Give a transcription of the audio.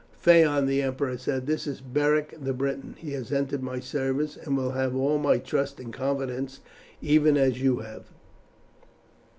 "Phaon," the emperor said, "this is Beric the Briton, he has entered my service, and will have all my trust and confidence even as you have.